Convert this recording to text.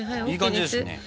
いい感じですね。